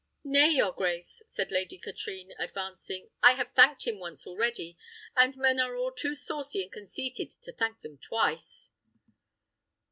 "Nay, your grace," said Lady Katrine, advancing, "I have thanked him once already, and men are all too saucy and conceited to thank them twice."